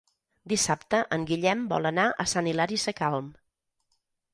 Dissabte en Guillem vol anar a Sant Hilari Sacalm.